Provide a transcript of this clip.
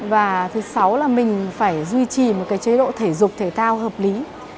và thứ sáu là mình phải duy trì một cái chế độ thể dục thể thao hợp lý